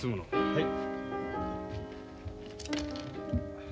はい。